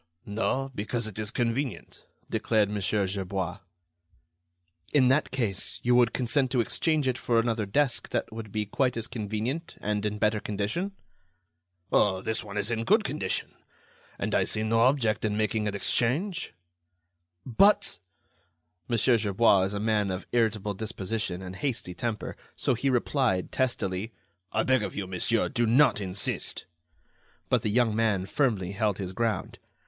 "No; because it is convenient," declared Mon. Gerbois. "In that case, you would consent to exchange it for another desk that would be quite as convenient and in better condition?" "Oh! this one is in good condition, and I see no object in making an exchange." "But——" Mon. Gerbois is a man of irritable disposition and hasty temper. So he replied, testily: "I beg of you, monsieur, do not insist." But the young man firmly held his ground.